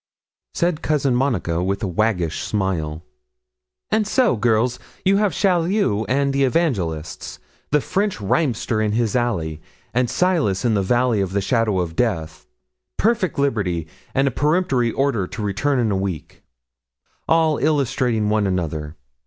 Said Cousin Monica, with a waggish smile 'And so, girls, you have Chaulieu and the evangelists; the French rhymester in his alley, and Silas in the valley of the shadow of death; perfect liberty, and a peremptory order to return in a week; all illustrating one another.